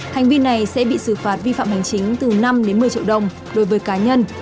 hành vi này sẽ bị xử phạt vi phạm hành chính từ năm đến một mươi triệu đồng đối với cá nhân